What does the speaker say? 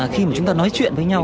khi mà chúng ta nói chuyện với nhau